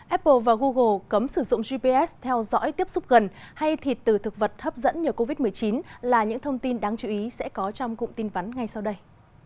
apple và google cấm sử dụng gps theo dõi tiếp xúc gần hay thịt từ thực vật hấp dẫn nhờ covid một mươi chín là những thông tin đáng chú ý sẽ có trong cụm tin vắn ngay sau đây